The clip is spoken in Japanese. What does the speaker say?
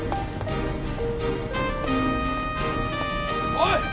おい！